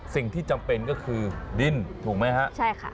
จำเป็นก็คือดินถูกไหมฮะใช่ค่ะ